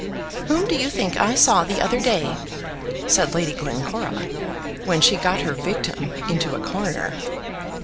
"Whom do you think I saw the other day?" said Lady Glencora, when she got her victim into a corner.